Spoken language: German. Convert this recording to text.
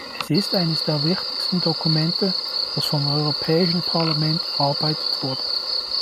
Es ist eines der wichtigsten Dokumente, das vom Europäischen Parlament erarbeitet wurde.